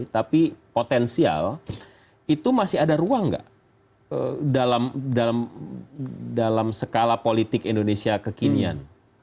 tapi potensial itu masih ada ruang nggak dalam skala politik indonesia kekinian